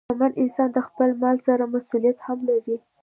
شتمن انسان د خپل مال سره مسؤلیت هم لري.